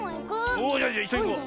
おおじゃいっしょにいこう。